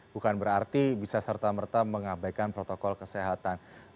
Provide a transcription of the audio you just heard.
bukan berarti bisa serta merta mengabaikan protokol kesehatan